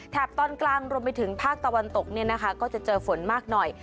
แถบตอนกลางรวมไปถึงภาคตะวันตกก็จะเจอฝนมากหน่อย